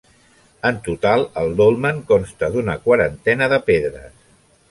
En total el dolmen consta d’una quarantena de pedres.